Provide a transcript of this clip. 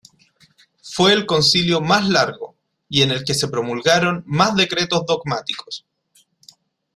Fue el concilio más largo y en el que se promulgaron más decretos dogmáticos.